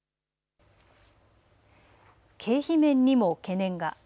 経費面にも懸念が。